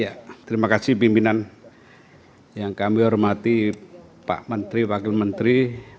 ya terima kasih pimpinan yang kami hormati pak menteri wakil menteri